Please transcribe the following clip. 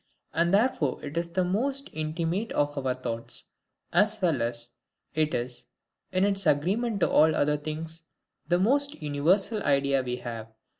And therefore it is the most intimate to our thoughts, as well as it is, in its agreement to all other things, the most universal idea we have.